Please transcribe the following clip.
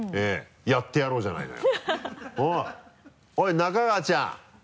やってやろうじゃないのよ。